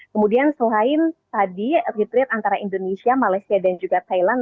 kemudian selain tadi retra antara indonesia malaysia dan juga thailand